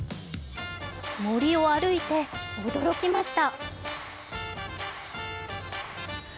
森を歩いて驚きました。